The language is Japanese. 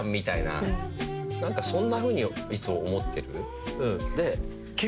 何かそんなふうにいつも思ってる。